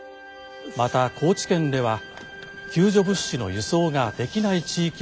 また高知県では救助物資の輸送ができない地域もあります。